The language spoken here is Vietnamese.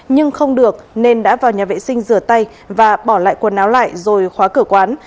nhưng không được nên đã vào nhà vệ sinh rửa tay và bỏ lại quần áo lại rồi khóa cửa quán